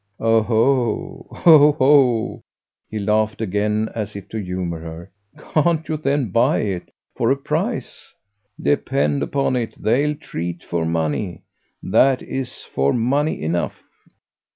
"Oho, oho!" he laughed again as if to humour her. "Can't you then buy it for a price? Depend upon it they'll treat for money. That is for money enough."